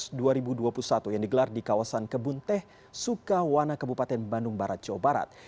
dua ribu dua puluh satu yang digelar di kawasan kebun teh sukawana kabupaten bandung barat jawa barat